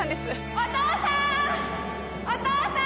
お父さーん！